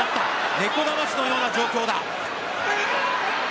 猫だましのような状況だ。